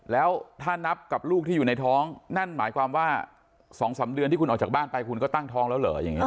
แล้วถ้านับกับลูกที่อยู่ในท้องนั่นหมายความว่า๒๓เดือนที่คุณออกจากบ้านไปคุณก็ตั้งท้องแล้วเหรออย่างนี้